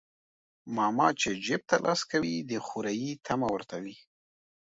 ماما چى جيب ته لاس کوى د خورى طعمه ورته وى.